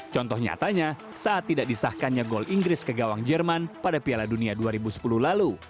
contoh nyatanya saat tidak disahkannya gol inggris ke gawang jerman pada piala dunia dua ribu sepuluh lalu